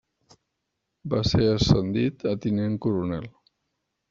Va ser ascendit a tinent coronel.